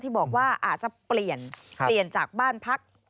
บอกว่าอาจจะเปลี่ยนเปลี่ยนจากบ้านพัก